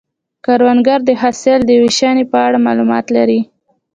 کروندګر د حاصل د ویشنې په اړه معلومات لري